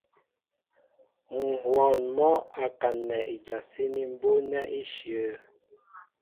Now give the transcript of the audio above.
Ŋ̀hwɔn mɔ́ a kaǹnɛ ijasíní mbú' nɛ́ íshyə̂.